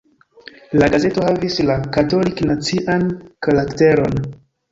La gazeto havis la katolik-nacian karakteron.